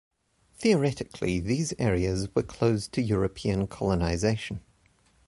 Theoretically, these areas were closed to European colonization.